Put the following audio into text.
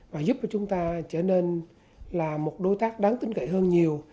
và giúp cho chúng ta trở nên là một đối tác đáng tính cậy hơn nhiều